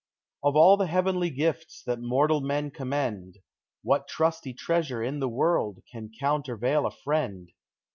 Of all the heavenly gifts that mortal men com mend, What trusty treasure in the world can counter vail a friend?